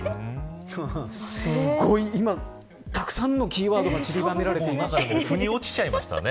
すごい今、たくさんのキーワードが腑に落ちちゃいましたね。